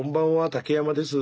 竹山です。